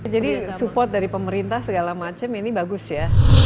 jadi support dari pemerintah segala macam ini bagus ya